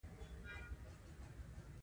ښوونځی د ماشوم دوهم کور دی